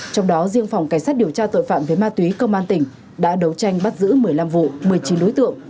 trong đó riêng phòng cảnh sát điều tra tội phạm về ma túy công an tỉnh đã đấu tranh bắt giữ một mươi năm vụ một mươi chín đối tượng